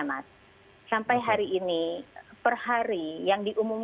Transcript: kami sudah melakukan pengumuman di rumah